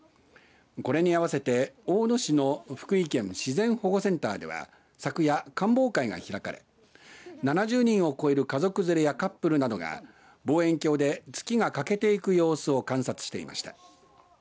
これに合わせて大野市の福井県自然保護センターでは昨夜、観望会が開かれ７０人を超える家族連れやカップルなどが望遠鏡で月が欠けていく様子を観察していました。